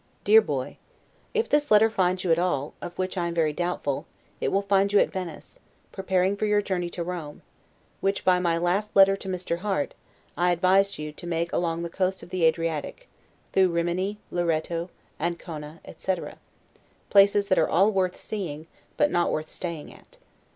DEAR BOY: If this letter finds you at all, of which I am very doubtful, it will find you at Venice, preparing for your journey to Rome; which, by my last letter to Mr. Harte, I advised you to make along the coast of the Adriatic, through Rimini, Loretto, Ancona, etc., places that are all worth seeing; but not worth staying at.